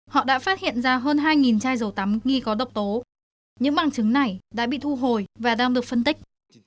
họ đã phát hiện ra hơn hai chai dầu tắm nghi có độc tố những bằng chứng này đã bị thu hồi và đang được phân tích